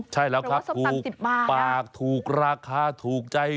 ใช่แล้วครับถูกปากถูกราคาถูกใจ